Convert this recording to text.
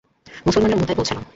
মুসলমানরা মুতায় পৌঁছল।